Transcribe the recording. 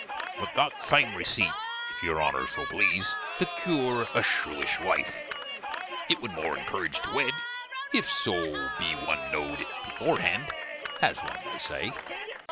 But that same reseit, iff your Honner so please, to cure a shrewish wife. It would more encurrege to wed, iff so be one know'd it before hand, as one may say.